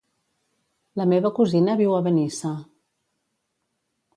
La meva cosina viu a Benissa.